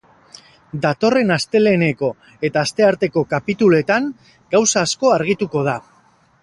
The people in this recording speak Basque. Datorren asteleheneko eta astearteko kapituluetan gauza asko argituko da.